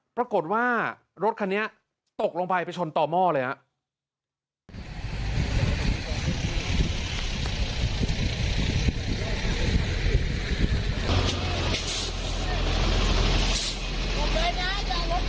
ปรากฏว่ารถคันนี้ตกลงไปไปชนต่อหม้อเลยครับ